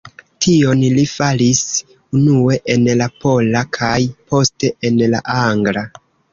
Tion li faris unue en la pola, kaj poste en la angla.